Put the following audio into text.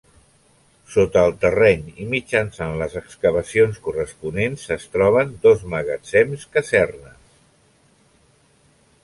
Sota el terreny i mitjançant les excavacions corresponents es troben dos magatzems, casernes.